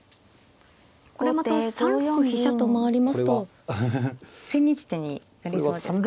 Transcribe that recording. これまた３六飛車と回りますと千日手になりそうですか。